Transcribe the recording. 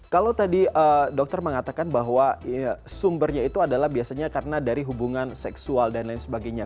kalau tadi dokter mengatakan bahwa sumbernya itu adalah biasanya karena dari hubungan seksual dan lain sebagainya